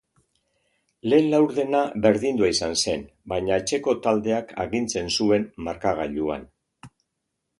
Lehen laurdena berdindua izan zen, baina etxeko taldeak agintzen zuen markagailuan.